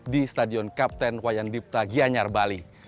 di stadion kapten wayandip tagianyar bali